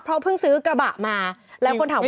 เพราะเคยซื้อกระบะแล้วคนถามว่า